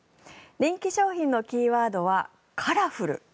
人気商品のキーワードはカラフル。